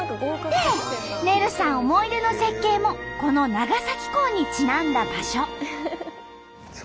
でねるさん思い出の絶景もこの長崎港にちなんだ場所。